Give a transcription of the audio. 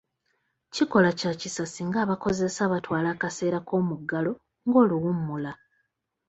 Kikola kya kisa singa abakozesa batwala akaseera k'omuggalo ng'oluwummula.